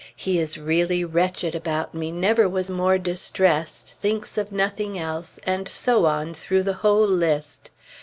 "He is really wretched about me; never was more distressed; thinks of nothing else"; and so on through the whole list.